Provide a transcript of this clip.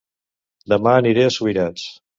Dema aniré a Subirats